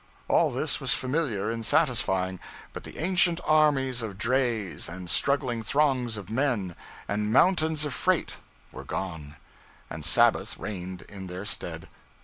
All this was familiar and satisfying; but the ancient armies of drays, and struggling throngs of men, and mountains of freight, were gone; and Sabbath reigned in their stead.